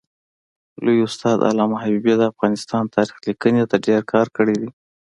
لوی استاد علامه حبیبي د افغانستان تاریخ لیکني ته ډېر کار کړی دی.